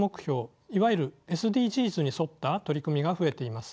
いわゆるＳＤＧｓに沿った取り組みが増えています。